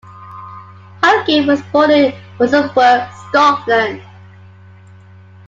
Halkett was born in Musselburgh, Scotland.